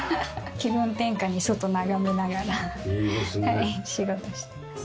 気分転換に外眺めながら仕事してます。